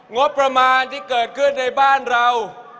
งบประมาณที่เกิดขึ้นในบ้านเรา